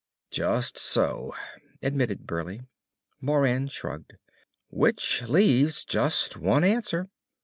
"Just so," admitted Burleigh. Moran shrugged. "Which leaves just one answer.